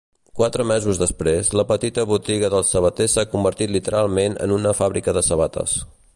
Quatre mesos després, la petita botiga del sabater s'ha convertit literalment en una fàbrica de sabates.